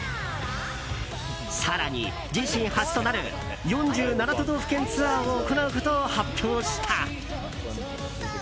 更に、自身初となる４７都道府県ツアーを行うことを発表した。